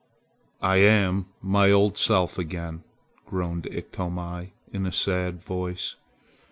"I am my old self again!" groaned Iktomi in a sad voice.